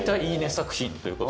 作品ということで。